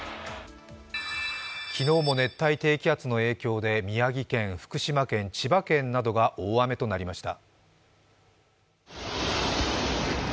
昨日も熱帯低気圧の影響で宮城県、福島県、千葉県などが大雨となりました。